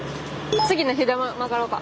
次の左曲がろうか。